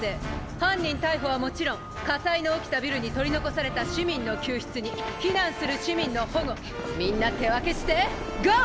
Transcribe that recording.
犯人逮捕はもちろん火災の起きたビルに取り残された市民の救出に避難する市民の保護みんな手分けしてＧＯ！